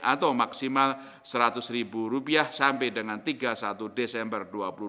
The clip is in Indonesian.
atau maksimal rp seratus sampai dengan tiga puluh satu desember dua ribu dua puluh